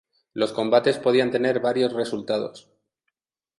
Los combates podían tener varios resultados.